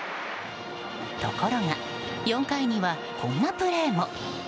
ところが４回にはこんなプレーも。